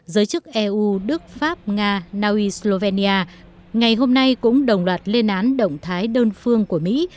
giới chức eu đức pháp nga naui slovenia ngày hôm nay cũng đồng loạt lên án động thái đơn phương của mỹ